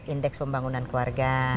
indeks pembangunan keluarga